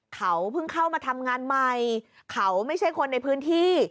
เขาเพิ่งเข้ามาทำงานใหม่เขาไม่ใช่คนในพื้นที่